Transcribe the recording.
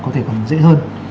có thể còn dễ hơn